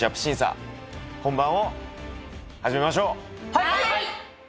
はい！